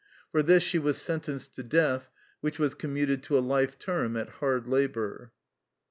For this she was sen tenced to death, which was commuted to a life term at hard labor.